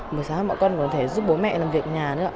buổi sáng mọi con có thể giúp bố mẹ làm việc nhà nữa